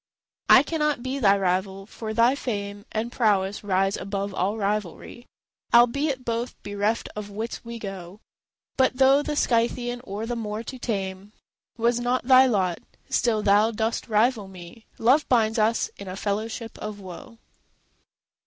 I cannot be thy rival, for thy fame And prowess rise above all rivalry, Albeit both bereft of wits we go. But, though the Scythian or the Moor to tame Was not thy lot, still thou dost rival me: Love binds us in a fellowship of woe.